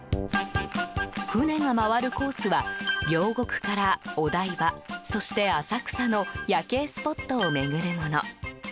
船が回るコースは両国から、お台場そして浅草の夜景スポットを巡るもの。